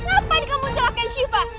apa yang kamu celakain siva